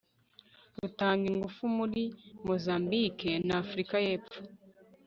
rutanga ingufu muri mozambike na afurika yepfo